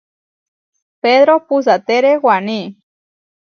Pedró puʼsatere waní.